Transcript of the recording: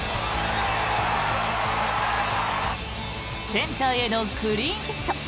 センターへのクリーンヒット。